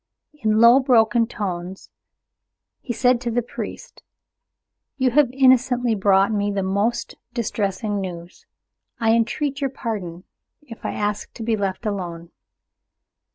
In low broken tones he said to the priest, "You have innocently brought me most distressing news. I entreat your pardon if I ask to be left alone."